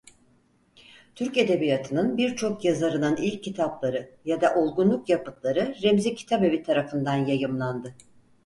Türk edebiyatının birçok yazarının ilk kitapları ya da olgunluk yapıtları Remzi Kitabevi tarafından yayımlandı.